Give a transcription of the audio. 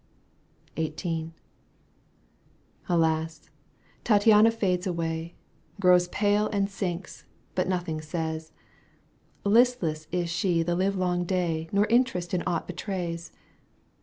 XVIIL Alas ! Tattiana fades away, Grows pale and sinks, but nothing says ; Listless is she the livelong day Nor interest in aught betrays.